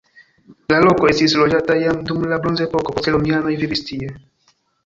La loko estis loĝata jam dum la bronzepoko, poste romianoj vivis tie.